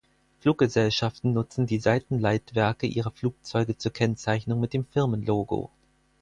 Fluggesellschaften nutzen die Seitenleitwerke ihrer Flugzeuge zur Kennzeichnung mit dem Firmenlogo.